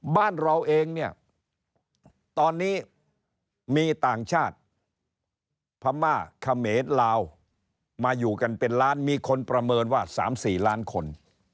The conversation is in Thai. บ้านเราเองเนี่ยตอนนี้มีต่างชาติพม่าเขมรลาวมาอยู่กันเป็นล้านมีคนประเมินว่า๓๔ล้านคน